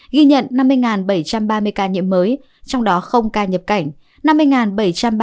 ghi nhận năm mươi bảy trăm ba mươi ca nhiễm mới trong đó không ca nhập cảnh